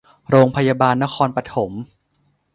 โรงพยาบาลนครปฐม